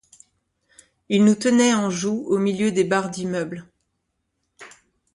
Ils nous tenaient en joue au milieu des barres d'immeubles.